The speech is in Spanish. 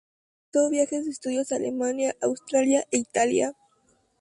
Realizó viajes de estudios a Alemania, Austria e Italia.